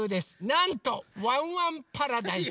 なんと「ワンワンパラダイス」。